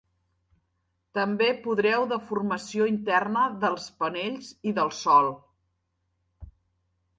També podreu deformació interna dels panells i del sòl.